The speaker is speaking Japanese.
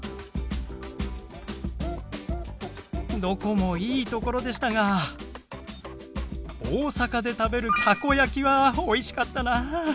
どこもいい所でしたが大阪で食べるたこ焼きはおいしかったな。